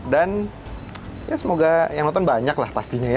dan ya semoga yang nonton banyak lah pastinya ya